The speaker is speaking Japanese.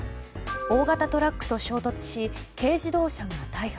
大型トラックと衝突し軽自動車が大破。